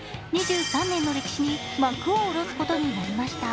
２３年の歴史に幕を下ろすことになりました。